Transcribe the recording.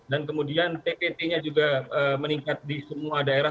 dan kemudian ppt nya juga meningkat di semua daerah